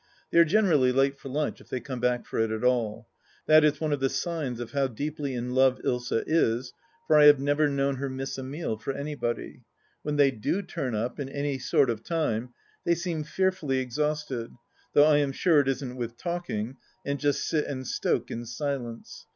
They are generally late for lunch, if they come back for it at all. That is one of the signs of how deeply in love Ilsa is, for I have never known her miss a meal for anybody. When they do turn up, in any sort of time, they seem fearfully exhausted (though I am sure it isn't with talking), and just sit and stoke in silence.